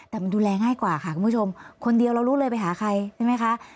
แต่มันดูแลง่ายกว่าค่ะคุณผู้ชมคนเดียวเรารู้เลยไปหาใครใช่ไหมคะ